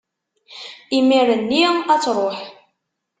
imir-nni ad-tṛuḥ.